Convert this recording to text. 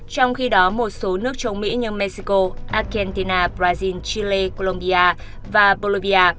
trong khi đó một số nước châu mỹ như mexico argentina brazil chile colombia và bolivia